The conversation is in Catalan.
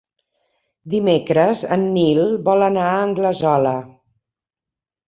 Dimecres en Nil vol anar a Anglesola.